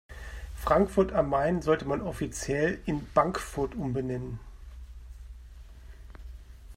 Frankfurt am Main sollte man offiziell in Bankfurt umbenennen.